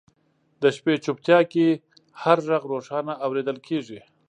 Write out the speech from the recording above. د شپې چوپتیا کې هر ږغ روښانه اورېدل کېږي.